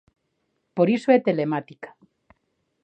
Por iso é telemática.